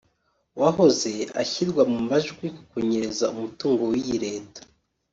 wahoze ashyirwa mu majwi ku kunyereza umutungo w’iyi Leta